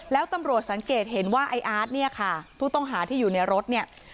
แล้วตำรวจสังเกตเห็นว่าไอ้อาร์ตเนี่ยค่ะผู้ต้องหาที่อยู่ในรถเนี่ย